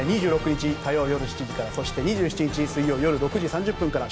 ２６日火曜日夜７時からそして２７日水曜日夜６時３０分から。